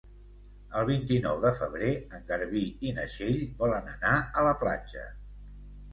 El vint-i-nou de febrer en Garbí i na Txell volen anar a la platja.